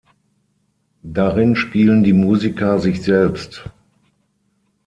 Darin spielen die Musiker sich selbst.